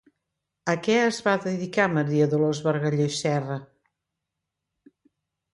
A què es va dedicar Maria Dolors Bargalló i Serra?